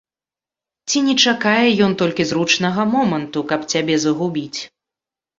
Ці не чакае ён толькі зручнага моманту, каб цябе загубіць?